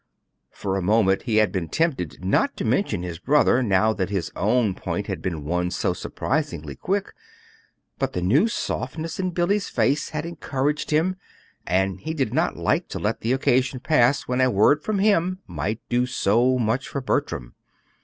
For a moment he had been tempted not to mention his brother, now that his own point had been won so surprisingly quick; but the new softness in Billy's face had encouraged him, and he did not like to let the occasion pass when a word from him might do so much for Bertram.